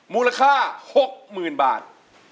มูลค่า๖๐๐๐บาท